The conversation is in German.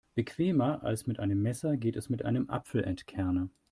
Bequemer als mit einem Messer geht es mit einem Apfelentkerner.